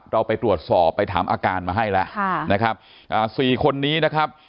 เราไปตรวจสอบไปถามอาการมาให้แล้วนะครับอ่าสี่คนนี้นะครับ